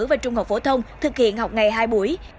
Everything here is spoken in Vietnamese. và trung học phổ thông thực hiện học ngày hai buổi